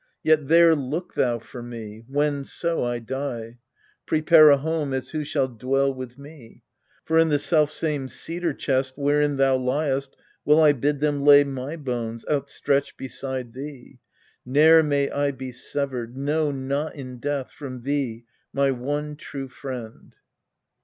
Yet there look thou for me, whenso I die; Prepare a home, as who shall dwell with me. For in the selfsame cedar chest, wherein Thou liest, will I bid them lay my bones Outstretched beside thee : ne'er may I be severed, No, not in death, from thee, my one true friend.